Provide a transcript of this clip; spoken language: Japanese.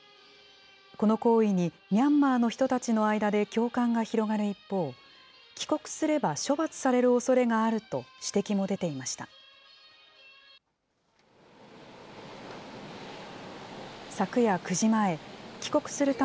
この行為にミャンマーの人たちの間で共感が広がる一方、帰国すれば処罰されるおそれがあると、指摘も出ていました。